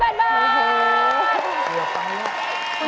๓๘บาท